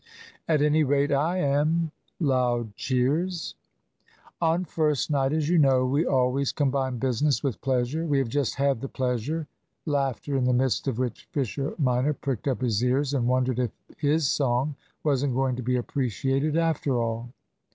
"At any rate I am," (loud cheers). "On first night, as you know, we always combine business with pleasure. We have just had the pleasure," (laughter, in the midst of which Fisher minor pricked up his ears and wondered if his song wasn't going to be appreciated after all).